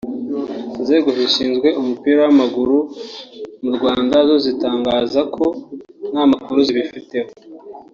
inzego zishinzwe umupira w’amaguru mu Rwanda zo zitangaza ko nta makuru zibifiteho